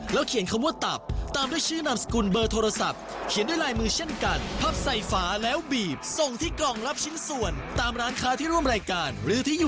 แล้วไปติดตามความสนุกกันในตลับข้าวขั้นต่อเลย